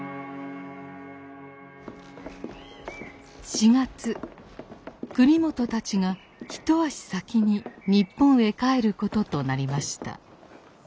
四月栗本たちが一足先に日本へ帰ることとなりました。